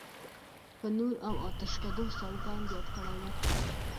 په نور او آتشکدو سوګند یاد کړی و.